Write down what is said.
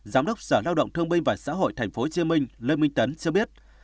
giám đốc sở lao động thương binh và xã hội tp hcm lê minh tấn cho biết